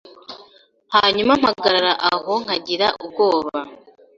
Hanyuma mpagarara aho nkagira ubwoba